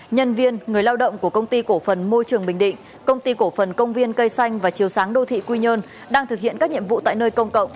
nhân viên người lao động của công ty cổ phần môi trường bình định công ty cổ phần công viên cây xanh và chiều sáng đô thị quy nhơn đang thực hiện các nhiệm vụ tại nơi công cộng